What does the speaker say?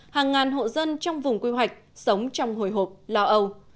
hàng ngàn hộ dân trong vùng quy hoạch sống trong hồi hộp lo âu